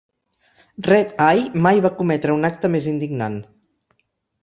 Red-Eye mai va cometre un acte més indignant.